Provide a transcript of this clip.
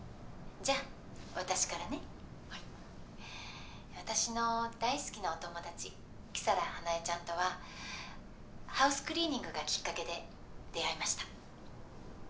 じゃあ私からねはい私の大好きなお友達木皿花枝ちゃんとはハウスクリーニングがきっかけで出会いました